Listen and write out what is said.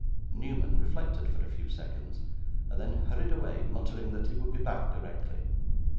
Newman reflected for a few seconds, and then hurried away, muttering that he would be back directly.